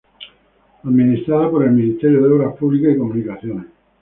Administrada por el Ministerio de Obras Públicas y Comunicaciones.